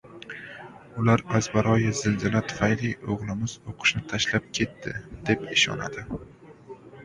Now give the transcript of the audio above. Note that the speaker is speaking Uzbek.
Ular azbaroyi zilzila tufayli o‘g‘limiz o‘qishni tashlab ketdi, deb ishonadi.